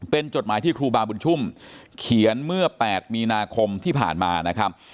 เป็นจดหมายที่ครูบาบุญชุ่มเขียนเมื่อ๘มีนาคมที่ผ่านมานะครับ